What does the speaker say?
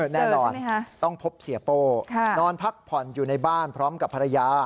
แน่นอนต้องพบเสียโป้นอนพักผ่อนอยู่ในบ้านพร้อมกับภรรยา